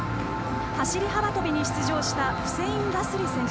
走り幅跳びに出場したフセイン・ラスリ選手。